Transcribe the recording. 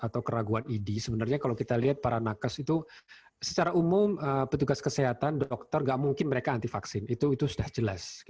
bukan dokter nggak mungkin mereka anti vaksin itu sudah jelas